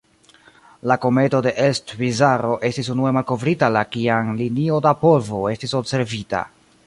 La kometo de Elst-Pizarro estis unue malkovrita la kiam linio da polvo estis observita.